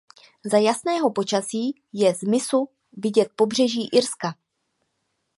Za jasného počasí je z mysu vidět pobřeží Irska.